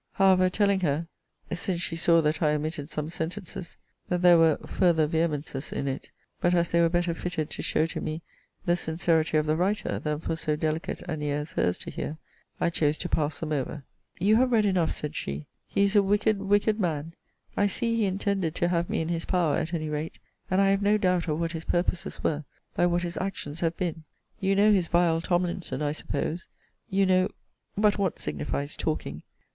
However, telling her (since she saw that I omitted some sentences) that there were farther vehemences in it; but as they were better fitted to show to me the sincerity of the writer than for so delicate an ear as her's to hear, I chose to pass them over. You have read enough, said she he is a wicked, wicked man! I see he intended to have me in his power at any rate; and I have no doubt of what his purposes were, by what his actions have been. You know his vile Tomlinson, I suppose You know But what signifies talking?